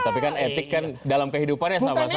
tapi kan etik kan dalam kehidupannya sama sama